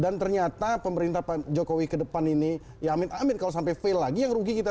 dan ternyata pemerintah pak jokowi ke depan ini ya amin amin kalau sampai fail lagi yang rugi kita